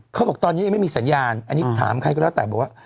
เขาบอกตอนนี้ยังไม่มีสัญญาณอันนี้ถามใครก็แล้วแต่บอกว่า